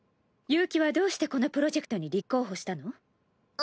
悠希はどうしてこのプロジェクトに立候補したの？